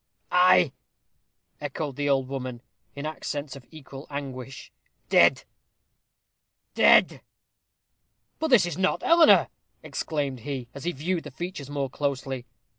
"Ay," echoed the old woman, in accents of equal anguish "dead dead!" "But this is not Eleanor," exclaimed he, as he viewed the features more closely.